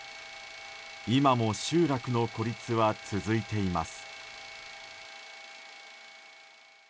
今も集落の孤立は続いています。